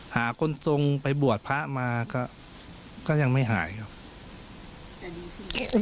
หาคนทรงไปบวชพระมาก็ยังไม่หายครับ